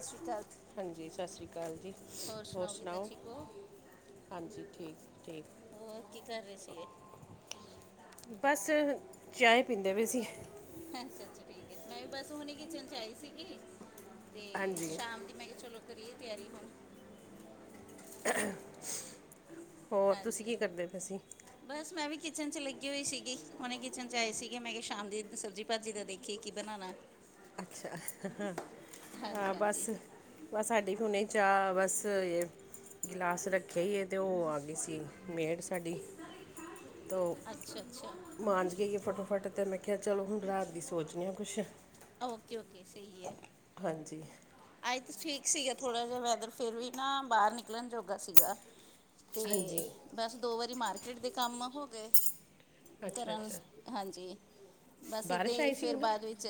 ਸਤਿ ਸ਼੍ਰੀ ਅਕਾਲ। ਹਾਂਜੀ ਸਤਿ ਸ਼੍ਰੀ ਅਕਾਲ ਜੀ ਹੋਰ ਕਿੱਦਾਂ ਸੁਣਾਓ? ਠੀਕ ਹੋ? ਹਾਂਜੀ ਠੀਕ ਠੀਕ। ਹੋਰ ਕੀ ਕਰ ਰਹੇ ਸੀਗੇ? ਬਸ ਚਾਹ ਪੀਂਦੇ ਪਏ ਸੀ। ਅੱਛਾ, ਅੱਛਾ ਠੀਕ ਐ ਮੈਂ ਵੀ ਬਸ ਹੁਣੇ ਕਿਚਨ ਚ ਆਈ ਸੀਗੀ ਤੇ ਹਾਂਜੀ ਸ਼ਾਮ ਮੈਂ ਕਿਹਾ ਚਲੋ ਕਰੀਏ ਤਿਆਰੀ ਹੁਣ ਹੋਰ ਤੁਸੀਂ ਹਾਂਜੀ। ਕੀ ਕਰਦੇ ਪਏ ਸੀਂ? ਬਸ ਮੈਂ ਵੀ ਕਿਚਨ ਚ ਲੱਗੀ ਹੋਈ ਸੀਗੀ ਹੁਣੇ ਕਿਚਨ ਚ ਆਏ ਸੀਗੇ ਮੈਂ ਕਿਹਾ ਸ਼ਾਮ ਦੀ ਸਬਜ਼ੀ ਭਾਜੀ ਦਾ ਦੇਖੀਏ ਕੀ ਬਣਾਉਣਾ। ਅੱਛਾ ਹਾਂ ਹਾਂਜੀ ਹਾਂਜੀ ਬਸ। ਬਸ ਸਾਡੀ ਵੀ ਹੁਨੇ ਚਾਹ ਬਸ ਇਹ ਗਲਾਸ ਰੱਖ ਈ ਤੇ ਉਹ ਆ ਗਈ ਸੀ ਮੇੜ ਸਾਡੀ ਤੋਂ, ਅੱਛਾ ਅੱਛਾ ਮਾਂਜ ਗਈ ਏ ਫਟਫਟ ਤੇ ਮੈਂ ਕਿਹਾ ਚਲੋ ਹੁਣ ਰਾਤ ਦੀ ਸੋਚਦੇ ਹਾਂ ਕੁਛ ਓਕੇ ਓਕੇ ਸਹੀ ਐ। ਹਾਂਜੀ, ਅੱਜ ਤੇ ਠੀਕ ਸੀਗਾ ਥੋੜਾ ਜਾ ਵੈਦਰ ਫਿਰ ਵੀ ਨਾ ਬਾਹਰ ਨਿਕਲਣ ਜੋਗਾ ਸੀਗਾ। ਤੇ ਹਾਂਜੀ ਬਸ ਦੋ ਵਾਰੀ ਮਾਰਕੀਟ ਦੇ ਕੰਮ ਹੋ ਗਏ ਅੱਛਾ ਕਰਨ ਅੱਛਾ ਹਾਂਜੀ ਬਸ ਇੱਦਾਂ ਬਾਰਿਸ਼ ਹੀ ਆਈ ਸੀ ਫਿਰ ਉਧਰ ਬਾਅਦ ਵਿੱਚ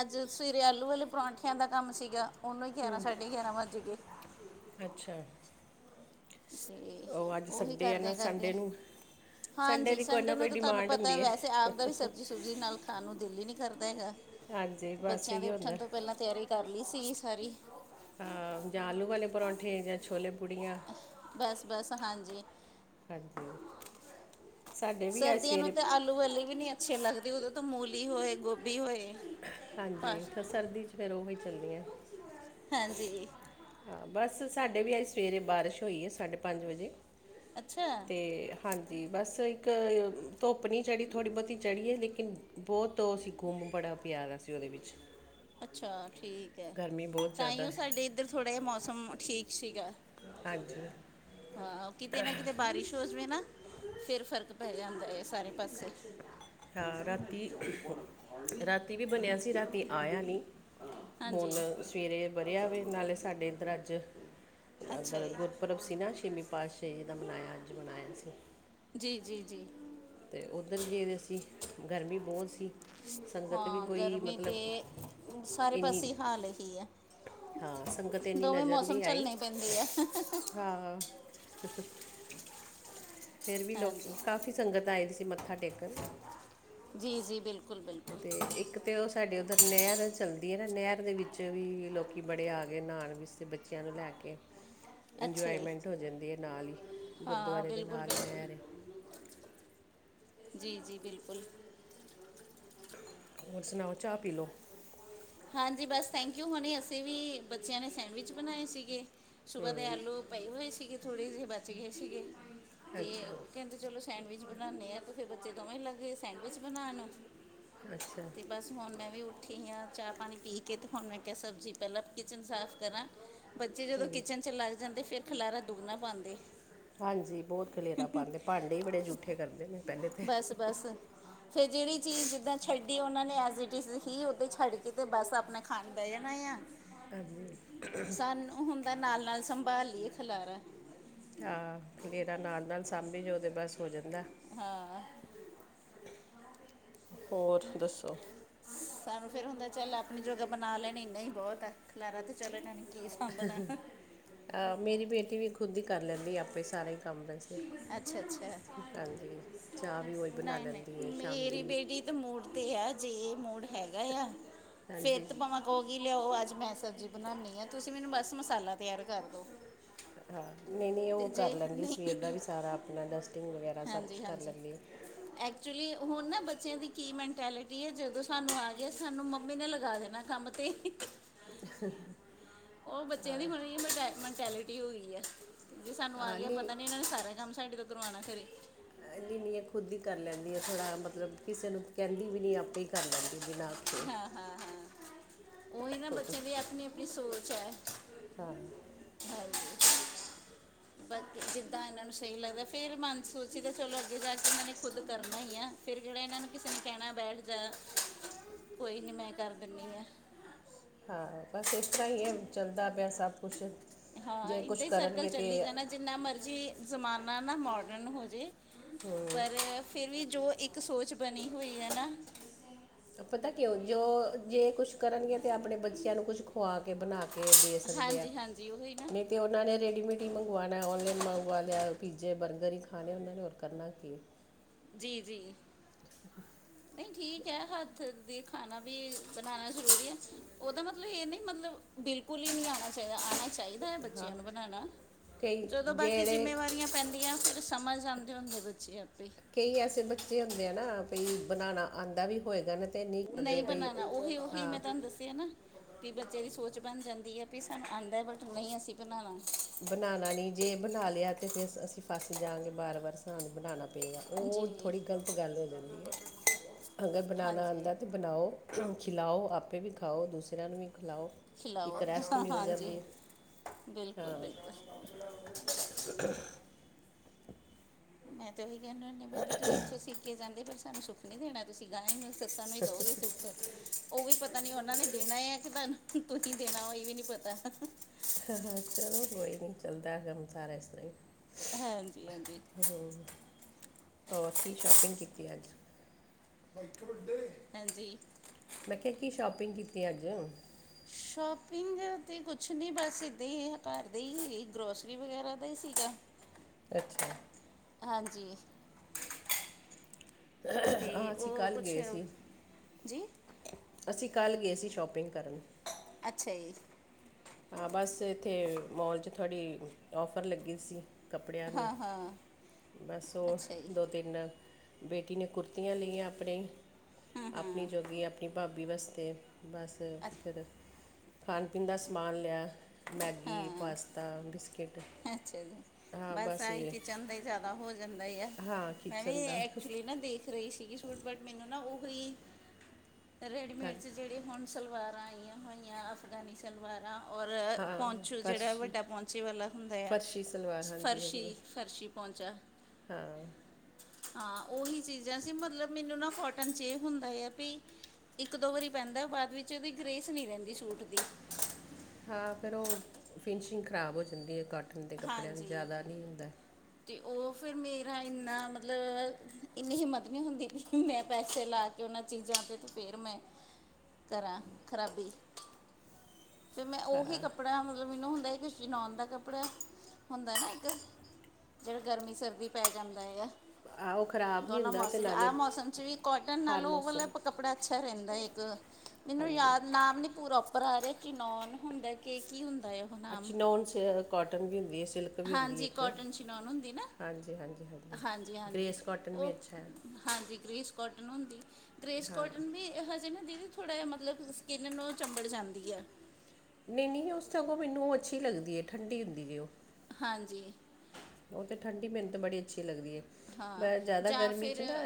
ਅੱਜ ਸਵੇਰੇ ਆਲੂ ਵਾਲੇ ਪਰੌਠਿਆਂ ਦਾ ਕੰਮ ਸੀਗਾ ਉਹਨੂੰ ਗਿਆਰਾਂ ਸਾਢੇ ਗਿਆਰਾਂ ਵੱਜ ਗਏ। ਅੱਛਾ, ਤੇ ਉਹ ਅੱਜ ਉਹੀ ਸੰਡੇ ਆ ਨਾ ਕਰਦਿਆਂ ਸੰਡੇ ਕਰਦਿਆਂ। ਨੂੰ ਹਾਂਜੀ ਦੀ ਕੋਈ ਸੰਡੇ ਨਾ ਨੂੰ ਕੋਈ ਤਾਂ ਤੁਹਾਨੂੰ ਡਿਮਾਂਡ ਪਤਾ ਹੁੰਦੀ ਵੈਸੇ ਹੈ ਆਪ ਦਾ ਵੀ ਸਬਜ਼ੀ ਸੂਜੀ ਨਾਲ ਖਾਣ ਨੂੰ ਦਿਲ ਹੀ ਨਹੀਂ ਕਰਦਾ ਹੈਗਾ ਹਾਂਜੀ ਬਸ ਬੱਚਿਆਂ ਇਹੀ ਦੇ ਹੁੰਦਾ ਉੱਠਣ ਤੋਂ ਪਹਿਲਾਂ ਤਿਆਰੀ ਕਰ ਲਈ ਸੀਗੀ ਸਾਰੀ। ਜਾਂ ਆਲੂ ਵਾਲੇ ਪਰੌਂਠੇ ਜਾਂ ਛੋਲੇ ਪੂੜੀਆਂ। ਬਸ, ਬਸ ਹਾਂਜੀ। ਹਾਂਜੀ। ਸਾਡੇ ਵੀ ਅੱਜ ਸਰਦੀਆਂ ਨੂੰ ਸਵੇਰੇ ਤਾਂ ਆਲੂ ਵਾਲੀ ਵੀ ਨੀ ਅੱਛੀ ਲੱਗਦੀ ਓਦੋਂ ਤੋਂ ਮੂਲੀ ਹੋਏ ਗੋਭੀ ਹੋਏ। ਹਾਂਜੀ ਬਸ ਫਿਰ ਸਰਦੀ ਚ ਫਿਰ ਉਹੀ ਚੱਲਣੀ ਐ। ਹਾਂਜੀ। ਹਾਂ, ਬਸ ਸਾਡੇ ਵੀ ਅਜ ਸਵੇਰੇ ਬਾਰਿਸ਼ ਹੋਈ ਹੈ ਸਾਢੇ ਪੰਜ ਵਜੇ ਅੱਛਾ ਅਤੇ ਹਾਂਜੀ ਬਸ ਇੱਕ ਧੁੱਪ ਨਹੀਂ ਚੜ੍ਹੀ ਥੋੜ੍ਹੀ ਬਹੁਤੀ ਚੜੀਏ ਲੇਕਿਨ ਬਹੁਤ ਅ ਸੀਂ ਗੁੰਮ ਬੜਾ ਪਿਆਦਾ ਸੀ ਉਹਦੇ ਵਿੱਚ ਅੱਛਾ ਠੀਕ ਹੈ ਗਰਮੀ ਤਾਂ ਬਹੁਤ ਜ਼ਿਆਦਾ ਤਾਈਉ ਹੈ ਸਾਡੇ ਇੱਧਰ ਥੋੜ੍ਹਾ ਜਿਹਾ ਮੌਸਮ ਠੀਕ ਸੀਗਾ। ਹਾਂਜੀ ਹਾਂ ਕਿਤੇ ਨਾ ਕਿਤੇ ਬਾਰਿਸ਼ ਹੋ ਜਾਵੇ ਨਾ। ਫੇਿਰ ਫਰਕ ਪੈ ਜਾਂਦਾ ਹੈ ਸਾਰੇ ਪਾਸੇ। ਹਾਂ ਰਾਤੀ ਰਾਤੀ ਵੀ ਬਣਿਆ ਸੀ ਰਾਤੀ ਆਇਆ ਨਹੀਂ। ਹਾਂਜੀ ਹੁਣ ਸਵੇਰੇ ਵਰਿਆਵੇ ਨਾਲੇ ਸਾਡੇ ਇੱਧਰ ਅੱਜ ਅੱਛਾ ਰ ਗੁਰਪੁਰਬ ਸੀ ਨਾ ਛੇਵੀ ਪਾਤਸ਼ਾਹਹੀ ਜੀ ਦਾ ਮਨਾਇਆ ਅੱਜ ਮਨਾਇਆ ਸੀ। ਜੀ, ਜੀ, ਜੀ। ਅਤੇ ਉੱਧਰ ਗਏ ਸੀ ਗਰਮੀ ਬਹੁਤ ਸੀ। ਸੰਗਤ ਵੀ ਹਾਂ ਕੋਈ ਗਰਮੀ ਤੇ ਮਤਲਬ ਸਾਰੇ ਇੰਨੀ ਪਾਸੇ ਹਾਲ ਇਹੀ ਆ। ਹਾਂ ਸੰਗਤ ਏਨੀ ਨਜ਼ਰ ਨਹੀਂ ਆਈ ਪੈਂਦੇ ਆ ਹਾਂ। ਫਿਰ ਵੀ ਲੋਕ ਹਾਂਜੀ ਕਾਫੀ ਸੰਗਤ ਆਈ ਦੀ ਸੀ ਮੱਥਾ ਟੇਕਣ। ਜੀ, ਜੀ ਬਿਲਕੁਲ, ਬਿਲਕੁਲ। ਅਤੇ ਇੱਕ ਤੇ ਉਹ ਸਾਡੇ ਉੱਧਰ ਨਹਿਰ ਚੱਲਦੀ ਹੈ ਨਾ ਨਹਿਰ ਦੇ ਵਿੱਚ ਵੀ ਲੋਕੀ ਬੜੇ ਆ ਗਏ ਨਹਾਉਣ ਬੱਚਿਆਂ ਨੂੰ ਲੈ ਕੇ ਅੱਛਾ ਜੀ ਇੰਜੋਆਏਮੈਂਟ ਹੋ ਜਾਂਦੀ ਹੈ ਨਾਲ ਹੀ ਹਾਂ ਗੁਰਦੁਆਰੇ ਦੇ ਬਿਲਕੁਲ ਨਾਲ ਹੀ ਬਿਲਕੁਲ ਨਹਿਰ ਏ। ਜੀ, ਜੀ ਬਿਲਕੁਲ। ਹੋਰ ਸੁਣਾਓ ਚਾਹ ਪੀ ਲਓ? ਹਾਂਜੀ ਬਸ ਥੈਂਕ ਜੂ ਹੁਣੀ ਅਸੀਂ ਵੀ ਬੱਚਿਆਂ ਨੇ ਸੈਂਡਵਿਚ ਬਣਾਏ ਸੀਗੇ। ਸੁਬਾਹ ਦੇ ਆਲੂ ਪਏ ਹੋਏ ਸੀਗੇ ਥੋੜੇ ਜਿਹੇ ਬਚ ਗਏ ਸੀਗੇ ਤੇ ਅੱਛਾ ਉਹ ਕਹਿੰਦੇ ਚਲੋ ਸੈਂਡਵਿਚ ਬਣਾਉਦੇ ਆ ਤ ਫਿਰ ਬੱਚੇ ਦੋਵੇਂ ਲੱਗੇਏ ਸੈਂਡਵਿਚ ਬਣਾਉਣ ਅੱਛਾ ਤੇ ਬਸ ਹੁਣ ਮੈਂ ਵੀ ਉੱਠੀ ਆ ਚਾਹ ਪਾਣੀ ਪੀ ਕੇ ਅਤੇ ਹੁਣ ਮੈਂ ਕਿਹਾ ਸਬਜ਼ੀ ਪਹਿਲਾਂ ਕਿਚਨ ਸਾਫ਼ ਕਰਾਂ। ਬੱਚੇ ਜਦੋਂ ਕਿਚਨ ਚ ਲੱਗ ਜਾਂਦੇ ਫਿਰ ਖਿਲਾਰਾ ਦੁਗਣਾ ਪਾਉਂਦੇ। ਹਾਂਜੀ ਬਹੁਤ ਖਲੇਰਾ ਪਾਉਂਦੇ, ਭਾਂਡੇ ਬੜੇ ਜੂਠੇ ਕਰਦੇ ਨੇ ਪਹਿਲੇ ਤਾਂ। ਫੇਰ ਜਿਹੜੀ ਚੀਜ਼ ਜਿੱਦਾਂ ਛੱਡੀ ਉਹਨਾਂ ਨੇ ਐਸ ਦੀ ਇਜ਼ ਕੀ ਓਦਾ ਛੱਡ ਕੇ ਤੇ ਬਸ ਆਪਣਾ ਖਾਣ ਦਏ ਆ। ਹਾਂਜੀ। ਸਾਨੂੰ ਹੁੰਦਾ ਨਾਲ ਨਾਲ ਸੰਭਾਲ ਲਈਏ ਖਿਲਾਰਾ। ਹਾਂ ਖਲੇਰਾ ਨਾਲ ਨਾਲ ਸਾਂਭੀ ਜਾਉ ਤਾਂ ਬਸ ਹੋ ਜਾਂਦਾ। ਹਾਂ ਹੋਰ ਦੱਸੋ? ਸਾਨੂੰ ਫੇਿਰ ਹੁੰਦਾ ਚੱਲ ਆਪਣੀ ਜੋਗ੍ਹਾ ਬਣਾ ਲੈਣੀ ਇੰਨਾ ਹੀ ਬਹੁਤ ਹੈ ਖਿਲਾਰਾ ਤੇ ਚੱਲ ਇਹਨਾਂ ਨੇ ਕੀ ਸਾਂਭਣਾ ਆਹ ਮੇਰੀ ਬੇਟੀ ਵੀ ਖੁਦ ਹੀ ਕਰ ਲੈਂਦੀ ਆਪੇ ਸਾਰਾ ਹੀ ਕੰਮ ਵੇਸੇ ਅੱਛਾ, ਅੱਛਾ ਚਾਹ ਵੀ ਉਹੀ ਬਣਾ ਨਹੀਂ, ਲੈਂਦੀ ਨਹੀਂ ਹੈ ਸ਼ਾਮ ਮੇਰੀ ਦੀ ਬੇਟੀ ਤੇ ਮੂਡ ਤੇ ਆ ਜੇ ਇਹ ਮੂਡ ਹੈਗਾ ਆ ਫੇਰ ਹਾਂਜੀ ਤਾਂ ਭਵਾਂ ਉਹ ਕੀ ਲਿਆਓ ਅੱਜ ਮੈਂ ਸਬਜ਼ੀ ਬਣਾਉਦੀ ਹਾਂ ਤੁਸੀਂ ਮੈਨੂੰ ਬਸ ਮਸਾਲਾ ਤਿਆਰ ਕਰ ਦਿਉ। ਹਾਂ ਨਹੀਂ, ਨਹੀਂ ਉਹ ਕਰ ਲੈਂਦੀ ਸਵੇਰ ਦਾ ਵੀ ਸਾਰਾ ਆਪਣਾ ਡਸਟਿੰਗ ਵਗੈਰਾ ਸਭ ਕੁਛ ਕਰ ਲੈਂਦੀ। ਐਕਚੁਲੀ ਹੁਣ ਨਾ ਬੱਚਿਆਂ ਦੀ ਕੀ ਮੈਂਟੈਲਿਟੀ ਹੈ ਜਦੋਂ ਸਾਨੂੰ ਆ ਗਏ ਸਾਨੂੰ ਮੰਮੀ ਨੇ ਲਗਾ ਦੇਣਾ ਕੰਮ ਤੇ [unintelligible] ਉਹ ਬੱਚਿਆਂ ਦੀ ਮਟ ਮੈਂਟੈਲਿਟੀ ਹੋ ਗਈ ਐ। ਜੇ ਸਾਨੂੰ ਆ ਹਾਂ ਗਿਆ ਨਹੀਂ ਪਤਾ ਨੀ ਇਹਨਾਂ ਨੇ ਸਾਰਾ ਕੰਮ ਸਾਡੇ ਤੋਂ ਕਰਵਾਉਣਾ ਖਰੇ। ਕਹਿੰਦੀ ਨਹੀਂ ਐ ਖੁਦ ਹੀ ਕਰ ਲੈਂਦੀ ਐ, ਥੋੜ੍ਹਾ ਮਤਲਬ ਕਿਸੇ ਨੂੰ ਕਹਿੰਦੀ ਵੀ ਨਹੀਂ ਆਪੇ ਹੀ ਕਰ ਲੈਂਦੀ ਬਿਨਾਂ ਆਖੇ। ਹਾਂ ਹਾਂ ਹਾਂ ਉਹੀ ਨਾ ਬੱਚੇ ਦੀ ਆਪਣੀ ਆਪਣੀ ਸੋਚ ਐ। ਹਾਂ। ਬਾਕੀ ਜਿੱਦਾਂ ਇਹਨਾਂ ਨੂੰ ਸਹੀ ਲੱਗਦਾ ਫਿਰ ਮਨ ਸੋਚੀ ਦਾ ਚਲੋ ਅੱਗੇ ਜਾ ਕੇ ਇਹਨਾਂ ਨੇ ਖੁਦ ਕਰਨਾ ਹੀ ਆ। ਫਿਰ ਕਿਹੜਾ ਇਹਨਾਂ ਨੂੰ ਕਿਸੇ ਨੇ ਕਹਿਣਾ ਬੈਠ ਜਾ। ਕੋਈ ਨੀ ਮੈਂ ਕਰ ਦਿੰਨੀ ਆ। ਹਾਂ, ਬਸ ਇਸ ਤਰ੍ਹਾਂ ਹੀ ਇਹ ਚੱਲਦਾ ਪਿਆ ਸਭ ਕੁਛ ਹਾਂ ਜੇ ਕੁਛ ਇਦਾਂ ਹੀ ਸਰਕਲ ਕਰਨਗੇ ਤੇ ਚੱਲੀ ਜਾਣਾ ਜਿੰਨਾ ਮਰਜ਼ੀ ਜ਼ਮਾਨਾ ਨਾ ਮੋਡਰਨ ਹੋ ਜੇ ਪਰ ਫਿਰ ਵੀ ਜੋ ਇੱਕ ਸੋਚ ਬਣੀ ਹੋਈ ਏ ਨਾ ਪਤਾ ਕਿਉਂ ਜੋ ਜੇ ਕੁਛ ਕਰਨਗੇ ਤਾਂ ਆਪਣੇ ਬੱਚਿਆਂ ਨੂੰ ਕੁਛ ਖੁਆ ਕੇ ਬਣਾ ਕੇ ਕੇ ਦੇ ਸਕਦੇ ਆ ਹਾਂਜੀ ਹਾਂਜੀ ਉਹੀ ਨਾ ਨਹੀਂ ਤੇ ਉਹ ਉਹਨਾਂ ਨੇ ਰੈਡੀਮੇਡ ਹੀ ਮੰਗਵਾਉਣਾ, ਔਨਲਾਈਨ ਮੰਗਵਾ ਲਿਆ ਪੀਜੇ, ਬਰਗਰ ਹੀ ਖਾਣੇ ਉਹਨਾਂ ਨੇ ਹੋਰ ਕਰਨਾ ਕੀ ਆ। ਜੀ-ਜੀ। ਨਹੀ ਠੀਕ ਐ ਹੱਥ ਦੀ ਖਾਣਾ ਵੀ ਬਣਾਉਣਾ ਜ਼ਰੂਰੀ ਆ ਉਹਦਾ ਮ ਤਲਬ ਇਹ ਨੀ ਮਤਲਬ ਬਿਲਕੁਲ ਹੀ ਨੀ ਆਣਾ ਆਣਾ ਚਾਹੀਦਾ ਐ ਹਾਂ ਬੱਚਿਆਂ ਨੂੰ ਬਣਾਉਣਾ, ਕਈ ਜਦੋਂ ਬਾਕੀ ਜਿਹੜੇ ਜਿੰਮੇਵਾਰੀਆਂ ਪੈਂਦੀਆਂ ਫਿਰ ਸਮਝ ਜਾਂਦੇ ਹੁੰਦੇ ਬੱਚੇ ਆਪੇ। ਕਈ ਐਸੇ ਬੱਚੇ ਹੁੰਦੇ ਆ ਨਾ ਬਈ ਬਣਾਣਾ ਆਦਾ ਵੀ ਹੋਏਗਾ ਨਾ ਤੇ ਨਹੀਂ ਕਰਦੇ ਭਈ ਬਣਾਣਾ ਉਹ- ਓਹੀ-ਉਹੀ ਹਾਂ ਮੈਂ ਤੁਹਾਨੂੰ ਦੱਸਿਆ ਨਾ। ਵੀ ਬੱਚੇ ਦੀ ਸੋਚ ਬਣ ਜਾਂਦੀ ਐ ਵੀ ਸਾਨੂੰ ਆਉਂਦਾ ਬਟ ਨਹੀਂ ਅਸੀਂ ਬਣਾਣਾ। ਬਣਾਣਾ ਨੀ ਜੇ ਬਣਾ ਲਿਆ ਤਾ ਫਿਰ ਅਸੀ ਫਸ ਜਾਵਾਂਗੇ ਵਾਰ- ਵਾਰ। ਬਣਾਣਾ ਪਏਗਾ ਜੀ ਥੋੜੀ ਗਲਤ ਗੱਲ ਹੋ ਜਾਂਦੀ ਏ ਬਣਾਉਣਾ ਹਾਂਜੀ ਆਉਂਦਾ ਤੇ ਬਣਾਓ, ਖਿਲਾਓ ਆਪੇ ਵੀ ਖਾਓ, ਦੂਸਰਿਆਂ ਨੂੰ ਵੀ ਖਿਲਾਓ। ਇੱਕ ਖਿਲਾਓ, ਰੈਸਟ ਮਿਲ ਹਾਂਜੀ ਜਾਂਦੀ ਹੈ ਬਿਲਕੁਲ-ਬਿਲਕੁਲ। ਮੈਂ ਤਾਂ ਉਹੀ ਕਹਿੰਦਾ ਹੁੰਦੀ ਮੈਂ ਕਿ ਤੁਸੀਂ ਇੱਥੋਂ ਸਿੱਖ ਕੇ ਜਾਂਦੇ ਪਰ ਸਾਨੂੰ ਸੁੱਖ ਨੀ ਦੇਣਾ। ਤੁਸੀ ਗਾਏ ਗੇ ਸੱਸਾਂ ਨੂੰ ਹੀ ਦਿਓਗੇ ਸੁੱਖ। ਉਹ ਵੀ ਪਤਾ ਨੀ ਉਹਨਾਂ ਨੇ ਦੇਣਾ ਆ ਕਿ ਤੁਹਾਨੂੰ ਤੁਸੀ ਦੇਣਾ ਇਹ ਵੀ ਨੀ ਪਤਾ। ਚਲੋ ਕੋਈ ਨੀ ਚੱਲਦਾ ਕੰਮ ਸਾਰਾ ਇਸ ਤਰ੍ਹਾ। ਹਾਂਜੀ-ਹਾਂਜੀ ਹੋਰ ਕੀ ਸ਼ੋਪਿੰਗ ਕੀਤੀ ਅੱਜ। ਹਾਂਜੀ ਮੈਂ ਕਿਹਾ ਕੀ ਸ਼ੋਪਿੰਗ ਕੀਤੀ ਅੱਜ। ਸ਼ੋਪਿੰਗ ਉ ਅਤੇ ਕੁਛ ਨਹੀਂ ਬਸ ਇੱਦਾ ਹੀ ਘਰ ਦਾ ਹੀ ਗਰੋਸਰੀ ਵਗੈਰਾ ਦਾ ਹੀ ਸੀਗਾ। ਅੱਛਾ ਹਾਂਜੀ ਤੇ ਆਹ ਅਸੀਂ ਉਹ ਕੱਲ੍ਹ ਕੁਛ ਗਏ ਸੀ। ਜੀ ਅਸੀਂ ਕੱਲ੍ਹ ਗਏ ਸੀ ਸ਼ੋਪਿੰਗ ਕਰਨ। ਅੱਛਾ ਜੀ। ਹਾਂ ਬਸ ਇੱਥੇ ਮੌਲ ਚ ਥੋੜੀ ਔਫਰ ਲੱਗੀ ਸੀ। ਕੱਪੜਿਆਂ ਦੀ, ਹਾਂ ਹਾਂ ਬਸ ਅੱਛਾ ਜੀ ਉਹ ਦੋ ਤਿੰਨ ਬੇਟੀ ਨੇ ਕੁੜਤੀਆਂ ਲਈਆ ਆਪਣੇ ਆਪਣੀ ਜੋਗੀ, ਆਪਣੀ ਭਾਬੀ ਵਾਸਤੇ। ਬਸ ਅੱਛ- ਫਿਰ ਖਾਣ ਪੀਣ ਦਾ ਸਮਾਨ ਲਿਆ। ਮੈਗੀ, ਹਾਂ ਪਾਸਤਾ, ਬਿਸਕਿਟ। ਅੱਛਾ ਜੀ ਹਾਂ ਬਸ ਆਹੀ ਇਹ ਕਿਚਨ ਦਾ ਹੀ ਜਾਦਾ ਹੋ ਜਾਂਦਾ ਆ, ਹਾਂ ਮੈਂ ਵੀ ਕਿਚਨ ਦਾ ਐਕਚੁਲੀ ਨਾ ਦੇਖ ਰਹੀ ਸੀ ਸੂਟ ਬਟ ਮੈਨੂੰ ਨਾ ਓਹੀ ਹਾਂ, ਰੈਡੀਮੇਡ ਚ ਜਿਹੜੇ ਹੁਣ ਸਲਵਾਰਾ ਆਈਆ ਹੋਈਆ ਅਫਗਾਨੀ ਸਲਵਾਰਾ ਔਰ ਹਾਂ ਪਹੁੰਚੂ ਜਿਹੜਾ ਫਰਸ਼ੀ ਵੱਡਾ ਪਹੁੰਚੇ ਵਾਲਾ ਹੁੰਦਾ ਆ ਫਰਸ਼ੀ ਸਲਵਾਰ ਫਰਸ਼ੀ-ਫਰਸ਼ੀ ਪਹੁੰਚਾ। ਹਾਂ ਹਾਂ ਉਹੀ ਚੀਜ਼ਾ ਸੀ ਮਤਲਬ ਮੈਨੂੰ ਨਾ ਕੋਟਨ ਚ ਇਹ ਹੁੰਦਾ ਆ ਵੀ ਇੱਕ ਦੋ ਵਾਰੀ ਪੈਂਦਾ ਬਾਦ ਵਿੱਚ ਉਹਦੀ ਗਰੇੇਸ ਨਹੀਂ ਰਹਿੰਦੀ ਸੂਟ ਦੀ। ਹਾਂ ਫਿਰ ਉਹ ਫਿਨਸ਼ਿੰਗ ਖ਼ਰਾਬ ਹੋ ਜਾਂਦੀ ਹੈ ਕੋਟਨ ਦੇ ਕੱਪੜਿਆਂ ਦੀ ਜਾਦਾ ਨੀ ਹੁੰਦਾ। ਅਤੇ ਉਹ ਫਿਰ ਮੇਰਾ ਇੰਨਾ ਮਤਲ ਇੰਨੀ ਹਿੰਮਤ ਨੀ ਹੁੰਦੀ ਮੈਂ ਪੈਸੇ ਲਾ ਕੇ ਉਹਨਾਂ ਚੀਜ਼ਾਂ ਤੇ ਤੇ ਫੇਰ ਮੈਂ ਕਰਾਂ ਖਰਾਬੀ। ਫ ਮੈਂ ਉਓਹੀ ਕੱਪੜਾ ਮਤਲਬ ਮੈਨੂੰ ਹੁੰਦਾ ਚਨਉਣ ਦਾ ਕੱਪੜਾ ਹੁੰਦਾ ਨਾ ਇੱਕ। ਜਿਹੜਾ ਗਰਮੀ ਸਰਦੀ ਪੈ ਜਾਂਦਾ ਹੈ ਆ। ਹਾਂ ਉਹ ਖਰਾਬ ਨਹੀਂ ਦੋਨਾਂ ਹੁੰਦਾ ਤੇ ਮੌਸਮ ਨਾਲੇ ਆਹ ਮੌਸਮ ਚ ਵੀ ਕੋਟਨ ਹਰ ਨਾਲੋਂ ਮੌਸਮ ਮਤਲਬ ਕੱਪੜਾ ਅੱਛਾ ਰਹਿੰਦਾ ਇੱਕ ਮੈਨੂੰ ਹਾਂਜੀ ਯਾਦ ਨਾਮ ਨੀ ਪੂਰਾ ਉਪਰ ਆ ਰਿਹਾ ਕਿ ਨੋਨ ਹੁੰਦਾ ਕਿ ਕੀ ਹੁੰਦਾ ਹੈ। ਉਹ ਨਾਮ ਅੱਛੀ ਨੋਨ ਕਾਟਨ ਵੀ ਹੁੰਦੀ ਐ ਸਿਲਕ ਵੀ ਹੁੰਦੀ ਹਾਂਜੀ ਇੱਕ ਕੋਟਨ ਚਿਨੋਨ ਹੁੰਦੀ ਨਾ ਹਾਂਜੀ ਹਾਂਜੀ ਹਾਂਜੀ ਹਾਂਜੀ ਗ੍ਰੇਸ ਕੋਟਨ ਵੀ ਉਹ ਅੱਛਾ ਹਾਂਜੀ ਗ੍ਰੇਸ ਕੋਟਨ ਹੁੰਦੀ ਗ੍ਰੇਸ ਹਾਂ ਕੋਟਨ ਵੀ ਹਜੇ ਨੀ। ਥੋੜ੍ਹਾ ਜਿਹਾ ਮਤਲਬ ਸਕਿੰਨ ਨੂੰ ਚੰਬੜ ਜਾਂਦੀ ਐ। ਨਹੀਂ ਨਹੀਂ, ਓ ਸਗੋਂ ਮੈਨੂੰ ਉਹ ਅੱਛੀ ਲੱਗਦੀ ਐ ਠੰਡੀ ਹੁੰਦੀ ਜੀ ਓ। ਹਾਂਜੀ, ਉਹ ਤਾਂ ਠੰਡੀ ਮਿਹਨਤ ਬੜੀ ਅੱਛੀ ਲੱਗਦੀ ਐ ਹਾਂ ਬ ਜ਼ਿਆਦਾ ਜਾਂ ਗਰਮੀ 'ਚ ਫਿਰ ਨਾ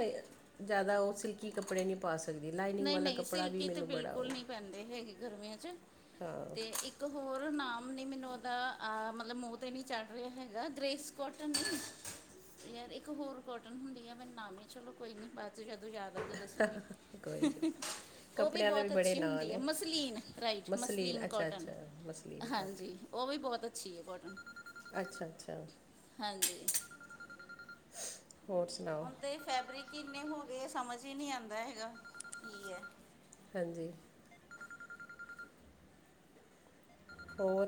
ਜ਼ਿਆਦਾ ਉਸ ਸਿਲਕੀ ਕੱਪੜੇ ਨਹੀਂ ਪਾ ਸਕਦੀ ਲਾਈਨਿੰਗ ਨਹੀਂ ਵਾਲਾ ਨਹੀਂ ਕੱਪੜਾ ਵੀ ਸਿਲਕੀ ਤੇ ਮੈਨੂੰ ਬੜਾ ਬਿਲਕੁਲ ਉਹ ਨਹੀਂ ਪੈਂਦੇ ਹੈਗੇ ਗਰਮੀਆਂ 'ਚ ਹਾਂ, ਤੇ ਇੱਕ ਹੋਰ ਨਾਮ ਨਹੀਂ ਮੈਨੂੰ ਉਹਦਾ ਮਤਲਬ ਮੂੰਹ 'ਤੇ ਨਹੀਂ ਚੜ੍ਹ ਰਿਹਾ ਹੈਗਾ ਗ੍ਰੇਸ ਕੋਟਨ ਯਾਰ ਇੱਕ ਹੋਰ ਕੋਟਨ ਹੁੰਦੀ ਆ ਮੈ ਨਾਮੀ ਚਲੋ ਕੋਈ ਨੀ ਬਾਅਦ ਜਦੋਂ ਯਾਦ ਕੋਈ ਨਹੀਂ [unintelligible] ਉਹ ਵੀ ਕੱਪੜਿਆਂ ਦੇ ਬਹੁਤ ਬੜੇ ਅੱਛੀ ਨਾਂ ਹੁੰਦੀ ਐ ਨੇ ਮਸਲੀਨ ਰਾਈਟ ਮਸਲੀਨ ਅੱਛਾ ਕੋਟਨ ਅੱਛਾ ਮਸਲੀਨ ਹਾਂਜੀ। ਕਾਟਨ ਉਹ ਵੀ ਬਹੁਤ ਅੱਛੀ ਕੋਟਨ ਅੱਛਾ ਅੱਛਾ, ਹਾਂਜੀ, ਹੋਰ ਸੁਣਾਓ? ਹੁਣ ਤੇ ਫੈਬਰਿਕ ਇੰਨੇ ਹੋ ਗਏ ਸਮਝ ਹੀ ਨਹੀਂ ਆਂਦਾ ਹੈਗਾ ਕੀ ਹੈ। ਹਾਂਜੀ,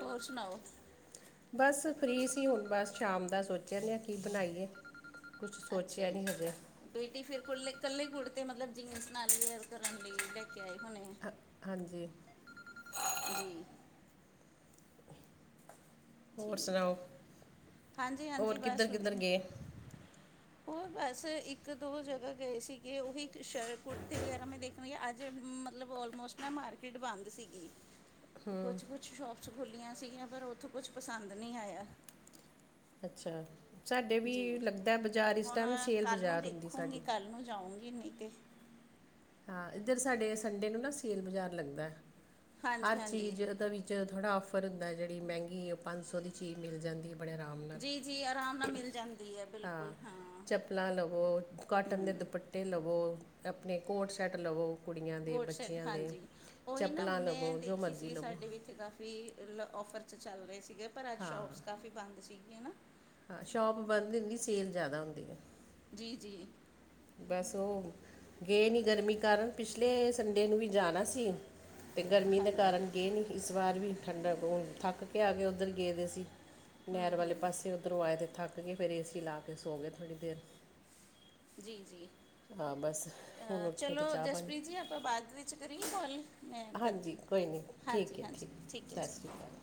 ਹੋਰ ਸੁਣਾਓ? ਬਸ ਫ੍ਰੀ ਸੀ ਹੁਣ ਬਸ ਸ਼ਾਮ ਦਾ ਸੋਚਦੇ ਹਾਂ ਕੀ ਬਣਾਈਏ। ਕੁਝ ਅੱਛੇ ਸੋਚਿਆ ਜੀ। ਨਹੀਂ ਹਜੇ ਬੇਟੀ ਫੇਰ ਕੱਲੇ ਕੁੜਤੇ ਮਤਲਬ ਜੀਂਸ ਨਾਲ ਲੈ ਕੇ ਆਏ ਹੋਣੇ ਆ। ਹਾਂ- ਹਾਂਜੀ। ਜੀ। ਹੋਰ ਠੀਕ ਸੁਣਾਓ ਹੈ ਹੋਰ ਹਾਂਜੀ-ਹਾਂਜੀ ਕਿਧਰ ਕਿੱਧਰ ਗਏ। ਉਹ ਬਸ ਇੱਕ ਦੋ ਜਗ੍ਹਾ ਗਏ ਸੀਗੇ ਉਹੀ ਸ਼ ਕੁੜਤੀ ਵਗੈਰਾ ਮੈਂ ਦੇਖ ਕਿਉਂਕਿ ਅੱਜ ਮਤਲਬ ਔਲਮੋਸਟ ਨਾ ਮਾਰਕੀਟ ਬੰਦ ਸੀਗੀ। [inaudible] ਕੁਛ ਕੁਛ ਸ਼ੋਪਸ ਖੁੱਲ੍ਹੀਆਂ ਸੀਗੀਆਂ ਪਰ ਉੱਥੋਂ ਕੁਛ ਪਸੰਦ ਨਹੀਂ ਆਇਆ। ਅੱਛਾ ਸਾਡੇ ਜੀ। ਵੀ ਲੱਗਦਾ ਬਾਜ਼ਾਰ ਇਸ ਟਾਈਮ ਸੇਲ ਬਾਜ਼ਾਰ ਹੁੰਦੀ ਸਾਡੀ। ਕੱਲ ਨੂੰ ਜਾਊਗੀ। ਕੀ ਨਹੀਂ ਤੇ ਹਾਂ ਇੱਧਰ ਸਾਡੇ ਸੰਡੇ ਨੂੰ ਨਾ ਸੇਲ ਬਾਜ਼ਾਰ ਲੱਗਦਾ ਹਰ ਹਾਂਜੀ-ਹਾਂਜੀ। ਚੀਜ਼ ਉਹਦਾ ਵਿੱਚ 'ਚ ਥੋੜ੍ਹਾ ਔਫਰ ਹੁੰਦਾ ਜਿਹੜੀ ਮਹਿੰਗੀ ਉਹ ਪੰਜ ਸੌ ਦੀ ਚੀਜ਼ ਮਿਲ ਜਾਂਦੀ। ਬੜੇ ਆਰਾਮ ਨਾਲ ਜੀ-ਜੀ ਆਰਾਮ ਨਾਲ ਮਿਲ ਜਾਂਦੀ ਹੈ ਹਾਂ ਬਿਲਕੁਲ ਚੱਪਲਾਂ ਲਵੋ ਕਾਟਨ ਦੇ ਹੂੰ। ਦੁਪੱਟੇ। ਏਹ ਲਵੋ ਆਪਣੇ ਕੋਟ ਸੈਟ ਲਵੋ। ਕੁੜੀਆਂ ਦੇ ਕੋਟ ਸੈਟ ਬੱਚਿਆਂ ਦੇ ਹਾਂਜੀ ਓਹੀ ਨਾ ਚੱਪਲਾਂ ਮੈਂ ਲਵੋ ਜੋ ਦੇਖੀ ਮਰਜ਼ੀ ਸੀ ਲਵੋ ਸਾਡੇ ਵੀ ਇੱਥੇ ਕਾਫੀ ਲੈ ਔਫਰ 'ਚੱਲ ਰਹੇ ਸੀਗੇ ਪਰ ਅੱਜ ਸ਼ੋਪਸ ਕਾਫੀ ਬੰਦ ਸੀਗੇ ਨਾ। ਸ਼ੋਪ ਬੰਦ ਹੁੰਦੀ ਸੇਲ ਜ਼ਿਆਦਾ ਹੁੰਦੀ। ਜੀ ਜੀ। ਬਸ ਓ ਗਏ ਨਹੀਂ ਗਰਮੀ ਕਾਰਨ ਪਿਛਲੇ ਸੰਡੇ ਨੂੰ ਵੀ ਜਾਣਾ ਸੀ। ਤੇ ਗਰਮੀ ਦੇ ਹਾਂਜੀ ਕਾਰਨ ਗਏ ਨੀ ਇਸ ਵਾਰ ਵੀ ਠੰਡਕ ਬਹੁਤ ਥੱਕ ਕੇ ਆ ਗਏ ਉੱਧਰ ਗਏ ਦੇ ਸੀ। ਨਹਿਰ ਵਾਲੇ ਪਾਸੇ ਉੱਧਰੋਂ ਆਏ ਤੇ ਥੱਕ ਗਏ ਫੇਰ ਏਸੀ ਲਾ ਕੇ ਸੋ ਗਏ ਥੋੜ੍ਹੀ ਦੇਰ। ਜੀ ਜੀ। ਹਾਂ ਬਸ ਹੁਣ ਅ, ਉੱਠੇ ਤਾਂ ਚਲੋ ਚਾਹ ਪਾਣੀ ਜਸਪ੍ਰੀਤ ਜੀ ਆਪਾਂ ਬਾਅਦ ਵਿੱਚ ਕਰੀਏ ਕੋਲ ਮੈਂ ਕਰਦੀ ਹਾਂਜੀ ਹਾਂ ਕੋਈ ਨਹੀਂ ਹਾਂਜੀ ਠੀਕ ਹੈ ਹਾਂਜੀ ਠੀਕ ਹੈ ਸਤਿ ਸ਼੍ਰੀ ਜੀ। ਅਕਾਲ